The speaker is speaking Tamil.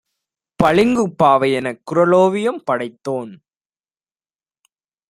பளிங்குப் பாவையெனக் 'குறளோவியம்' படைத்தோன்